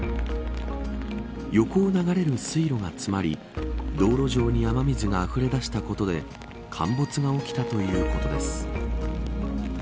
横を流れる水路が詰まり道路上に雨水があふれ出したことで陥没が起きたということです。